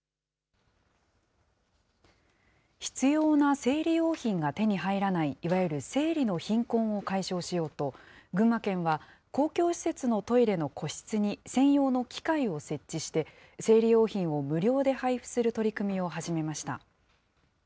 必要な生理用品が手に入らない、いわゆる生理の貧困を解消しようと、群馬県は公共施設のトイレの個室に専用の機械を設置して、生理用品を無料で配布する取り組みを始めました。